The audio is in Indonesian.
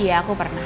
iya aku pernah